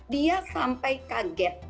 dia sampai kaget